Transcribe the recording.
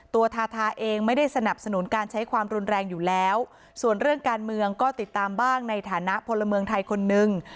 ทาทาเองไม่ได้สนับสนุนการใช้ความรุนแรงอยู่แล้วส่วนเรื่องการเมืองก็ติดตามบ้างในฐานะพลเมืองไทยคนนึง